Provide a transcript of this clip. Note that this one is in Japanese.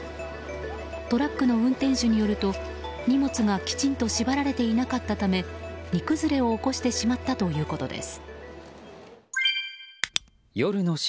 トラックの運転手によると荷物がきちんと縛られていなかったため荷崩れを起こしてしまったということです。